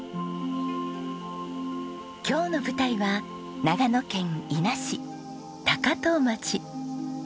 今日の舞台は長野県伊那市高遠町。